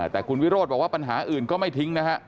แต่คุณวิโรธบอกว่าปัญหาอื่นก็ไม่ทิ้งนะฮะ